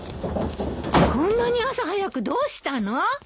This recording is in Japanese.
こんなに朝早くどうしたの？